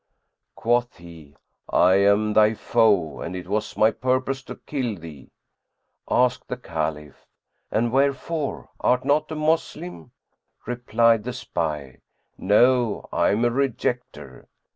Quoth he, "I am thy foe and it was my purpose to kill thee." Asked the Caliph "And wherefore? Art not a Moslem?" Replied the spy; "No' I am a Rejecter.''